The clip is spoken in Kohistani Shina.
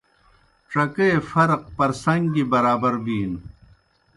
ڇگیئے فرق پرسن٘گ گیْ برابر بِینوْ۔